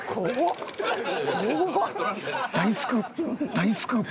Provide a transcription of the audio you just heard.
大スクープ！